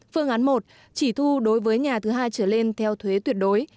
phương án một chỉ thu đối với nhà thứ hai trở lên theo thuế tuyệt đối